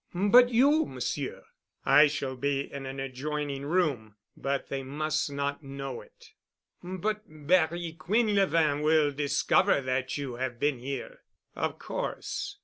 "But you, Monsieur?" "I shall be in an adjoining room, but they must not know it." "But Barry Quinlevin will discover that you have been here." "Of course.